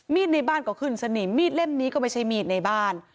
ในบ้านก็ขึ้นสนิมมีดเล่มนี้ก็ไม่ใช่มีดในบ้าน